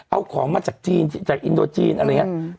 เอาของมาจากจีนจากอินโดจีนอะไรอย่างนี้